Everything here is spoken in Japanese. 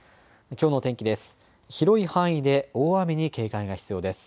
きょうの天気です。